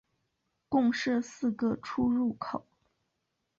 共设四个出入口。